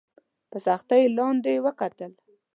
په سختۍ یې لاندي وکتل !